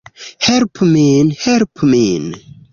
Helpu min! Helpu min!